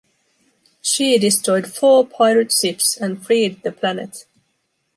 She destroyed four pirate ships and freed the planet.